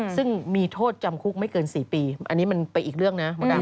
ซึ่งมีโทษจำคุกไม่เกิน๔ปีอันนี้มันไปอีกเรื่องนะมดดำ